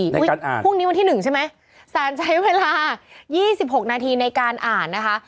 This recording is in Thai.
ในการอ่านพรุ่งนี้วันที่หนึ่งใช่ไหมสารใช้เวลายี่สิบหกนาทีในการอ่านนะคะ